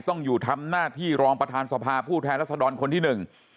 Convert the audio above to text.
ต้องอยู่ทำหน้าที่รองประธานสภาผู้แทนรัศดรคนที่หนึ่ง